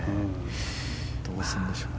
どうするんでしょう。